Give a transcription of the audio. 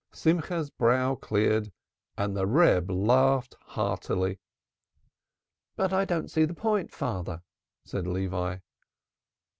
'" Simcha's brow cleared and the Reb laughed heartily. "But I don't seethe point, father," said Levi.